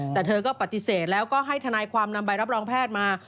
แต่เธอก็ปฏิเสธแล้วก็ให้ทนายความนำใบรับรองแพทย์มา